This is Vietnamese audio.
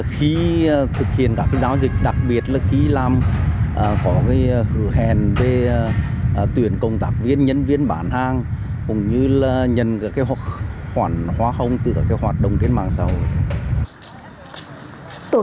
khi thực hiện các giao dịch đặc biệt là khi làm có hứa hẹn về tuyển cộng tác viên nhân viên bản hàng cũng như là nhận khoản hóa hông từ các hoạt động đến mạng xã hội